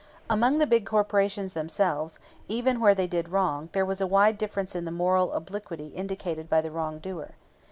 Among the big corporations themselves, even where they did wrong, there was a wide difference in the moral obliquity indicated by the wrongdoer.